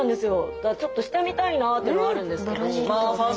だからちょっとしてみたいなっていうのはあるんですけど。